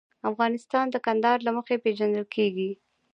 افغانستان د کندهار له مخې پېژندل کېږي.